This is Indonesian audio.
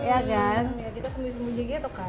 iya kita sembunyi sembunyinya tuh kak